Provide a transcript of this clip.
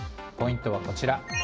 ポイントはこちら。